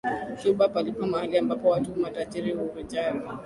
Cuba palikuwa mahali ambapo watu matajiri hujivinjari